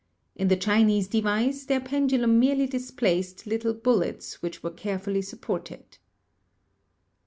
In the Chinese device their pendulum merely dis placed little bullets which were carefully supported.